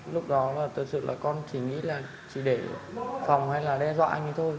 lúc đó là thật sự là con chỉ nghĩ là chỉ để phòng hay là đe dọa anh thôi